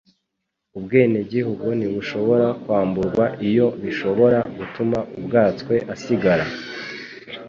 ubwenegihugu ntibushobora kwamburwa iyo bishobora gutuma ubwatswe asigara